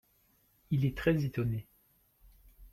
Il est très étonné.